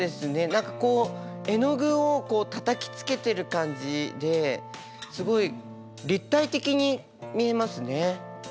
何かこう絵の具をたたきつけてる感じですごい立体的に見えますね。